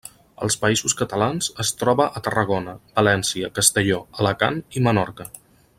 Als Països Catalans es troba a Tarragona, València, Castelló, Alacant i Menorca.